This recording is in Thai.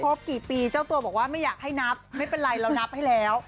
กี่ปีเจ้าตัวบอกว่าไม่อยากให้นับไม่เป็นไรเรานับให้แล้ว